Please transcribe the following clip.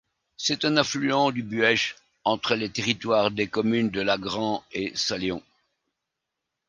C'est un affluent du Buëch, entre les territoires des communes de Lagrand et Saléon.